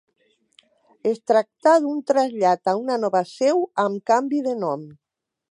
Es tractà d'un trasllat a una nova seu amb canvi de nom.